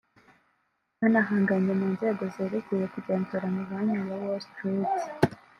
Banahanganye mu nzego zerekeye kugenzura amabanki ya Wall Street